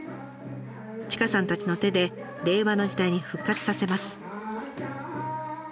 千賀さんたちの手で令和の時代に復活させます。